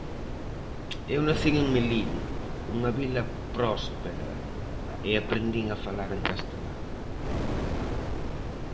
Eu nacín en Melide, unha vila próspera, e aprendín a falar en castelán.